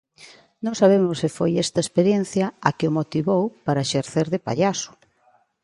Non sabemos se foi esta experiencia a que o motivou para exercer de pallaso.